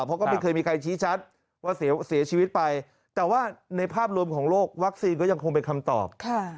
เพราะก็ไม่เคยมีใครชี้ชัดว่าเสียชีวิตไปแต่ว่าในภาพรวมของโรควัคซีนก็ยังคงเป็นคำตอบ